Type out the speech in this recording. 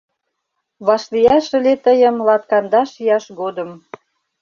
Вашлияш ыле тыйым Латкандаш ияш годым.